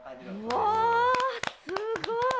うわすごい！